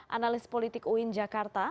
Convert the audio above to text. analis politik uin jakarta